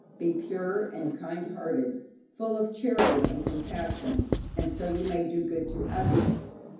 Be pure and kind hearted, full of charity and compassion, and so you may do good to others.